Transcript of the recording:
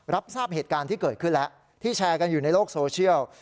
รับทราบเหตุการณ์ที่เกิดขึ้นแล้วที่แชร์กันอยู่ในโลกโซเชียล